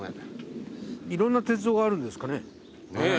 いろんな鉄道があるんですかね。ねぇ。